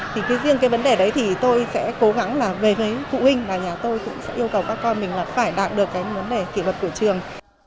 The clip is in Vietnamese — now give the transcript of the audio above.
thì riêng cái vấn đề đấy thì tôi sẽ cố gắng là về với phụ huynh và nhà tôi cũng sẽ yêu cầu các con mình là phải đạt được cái vấn đề kỷ luật của trường